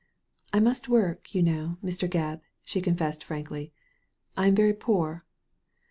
'* I must work, you know, Mr. Gebb,*' she confessed frankly. " I am very poor.